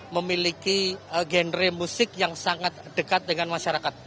memiliki genre musik yang sangat dekat dengan masyarakat